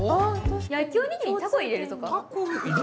焼きおにぎりにタコ入れるとか？